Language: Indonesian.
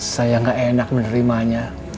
saya gak enak menerimanya